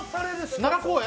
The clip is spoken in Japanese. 奈良公園？